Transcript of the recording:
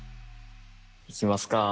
いきますか。